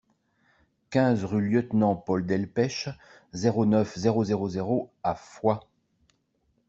quinze rue Lieutenant Paul Delpech, zéro neuf, zéro zéro zéro à Foix